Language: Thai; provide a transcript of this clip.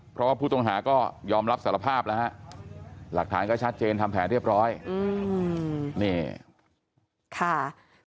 เพราะว่าผู้ต้องหาก็ยอมรับสารภาพแล้วฮะหลักฐานก็ชัดเจนทำแผลเรียบร้อยอืมนี่ค่ะ